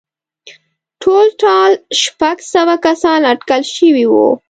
ټولټال شپږ سوه کسان اټکل شوي وو